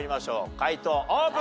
解答オープン。